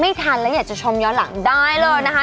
ทันแล้วอยากจะชมย้อนหลังได้เลยนะคะ